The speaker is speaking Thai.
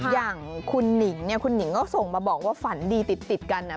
อย่างคุณหนิงเนี่ยคุณหนิงก็ส่งมาบอกว่าฝันดีติดกันนะ